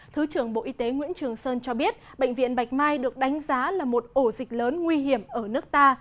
thứ trưởng bộ y tế nguyễn trường sơn cho biết bệnh viện bạch mai được đánh giá là một ổ dịch lớn nguy hiểm ở nước ta